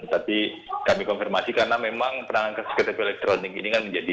tapi kami konfirmasi karena memang penanganan kasus ktp elektronik ini kan menjadi